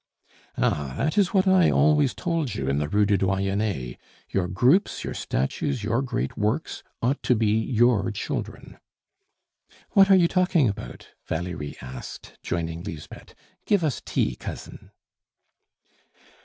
"Ah! that is what I always told you in the Rue du Doyenne. Your groups, your statues, your great works, ought to be your children." "What are you talking about?" Valerie asked, joining Lisbeth. "Give us tea, Cousin."